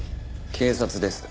警察です。